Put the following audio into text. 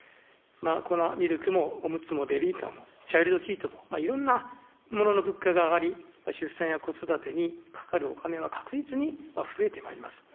粉ミルクも、おむつも、ベビーカーも、チャイルドシートも、いろんなものの物価が上がり、出産や子育てにかかるお金は確実に増えてまいります。